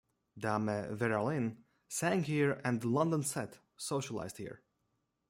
Dame Vera Lynn sang here and the 'London Set' socialised here.